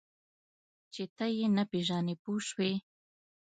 چې ته یې نه پېژنې پوه شوې!.